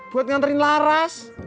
buat nganterin laras